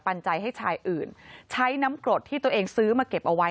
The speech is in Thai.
ปัญญาให้ชายอื่นใช้น้ำกรดที่ตัวเองซื้อมาเก็บเอาไว้